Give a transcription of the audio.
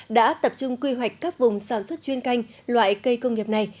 đã tập trung quy hoạch các vùng sản xuất chuyên canh loại cây công nghiệp này